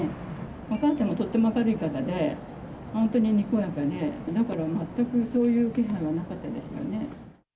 お母さんはとっても明るい方で、本当ににこやかで、だから全くそういう気配はなかったですかね。